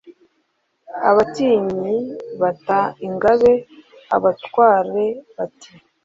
Abatinyi bata ingabe, abatware bati